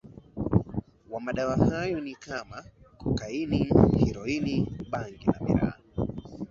wa madawa hayo ni kama kokaini heroini bangi na miraa